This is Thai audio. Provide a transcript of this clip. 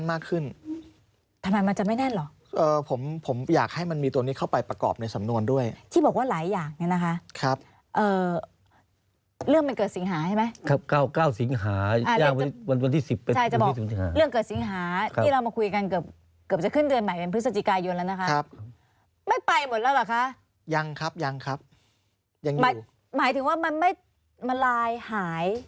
จำคือคือมันคือคือจำที่ผมจำได้ที่มันเกิดเหตุเรื่องจริงอ่า